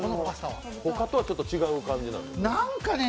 ほかとはちょっと違う感じなんですか。